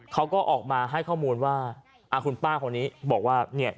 เขาก็ออกมาให้ข้อมูลว่าคุณป้าคนนี้บอกว่าเนี่ย